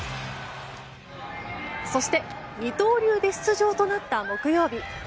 そして、二刀流で出場となった木曜日。